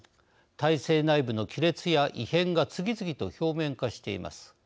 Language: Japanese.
体制内部の亀裂や異変が次々と表面化しています。